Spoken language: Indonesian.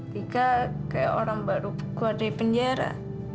tiga kayak orang baru keluar dari penjara